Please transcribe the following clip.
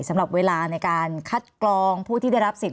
สำหรับเวลาในการคัดกรองผู้ที่ได้รับสิทธิ